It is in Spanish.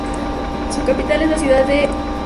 Su capital es la ciudad de Rzeszów.